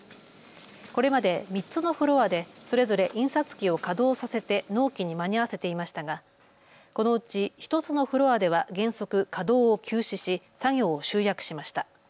これまで３つのフロアでそれぞれ印刷機を稼働させて納期に間に合わせていましたがこのうち１つのフロアでは原則、稼働を休止し作業を集約しました。